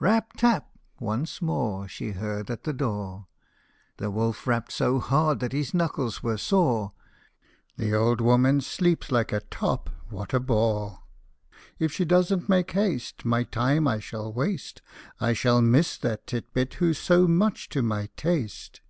Rap, tap ! once more She heard at the door : The wolf rapped so hard that his knuckles were sore. The old woman sleeps like a top what a bore ! If she doesn't make haste, My time I shall waste I shall miss that tit bit who's so much to my taste.'